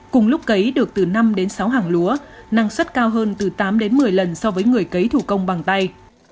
cùng lúc cấy được từ năm đến sáu hàng lúa năng suất cao hơn từ tám đến một mươi lần so với người cấy thủ công bằng tay